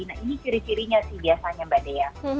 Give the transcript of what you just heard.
nah ini ciri cirinya sih biasanya mbak dea